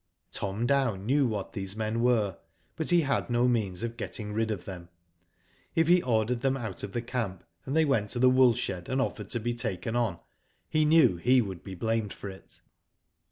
Tom Dow knew what these men were, but he had no means of getting rid of them. If he ordered them out of the camp, and they went to the wool shed and offered to be taken on, he knew he would be blamed for it.